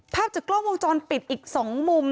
ภาพจากกล้องวงจรปิดอีก๒มุม